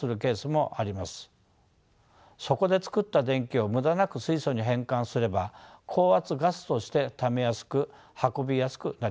そこで作った電気を無駄なく水素に変換すれば高圧ガスとしてためやすく運びやすくなります。